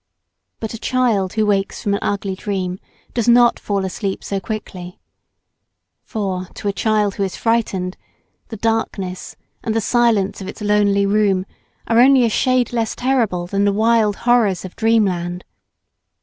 But a child who wakes from an ugly dream does not fall asleep so quickly. For to a child who is frightened, the darkness and the silence of its lonely room are only a shade less terrible than the wild horrors of dreamland.